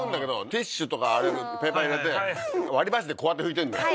ティッシュとかペーパー入れて割り箸でこうやって拭いてんだよ。